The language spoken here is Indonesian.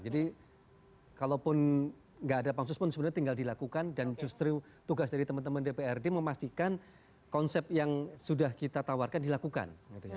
jadi kalaupun tidak ada pansus pun sebenarnya tinggal dilakukan dan justru tugas dari teman teman dprd memastikan konsep yang sudah kita tawarkan dilakukan